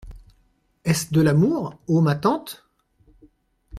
est-ce de l'amour, ô ma tante ?